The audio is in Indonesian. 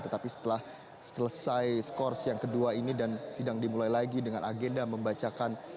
tetapi setelah selesai skors yang kedua ini dan sidang dimulai lagi dengan agenda membacakan